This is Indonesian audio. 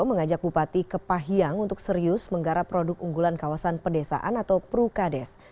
mengajak bupati kepahyang untuk serius menggarap produk unggulan kawasan pedesaan atau prukades